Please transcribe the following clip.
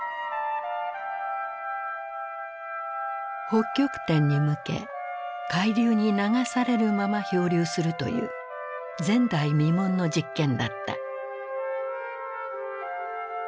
北極点に向け海流に流されるまま漂流するという前代未聞の実験だった。